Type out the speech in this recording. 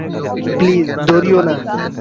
Please, দৌড়িও না।